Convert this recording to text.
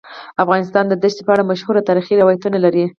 افغانستان د دښتې په اړه مشهور تاریخی روایتونه لري.